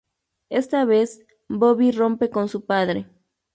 Esta vez, Bobby rompe con su padre.